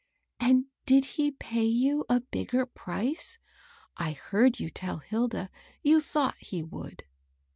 " And did he pay you a bigger price ? I heard you tell Hilda you thought he would."